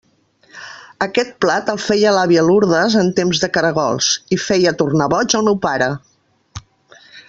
Aquest plat el feia l'àvia Lourdes en temps de caragols i feia tornar boig el meu pare.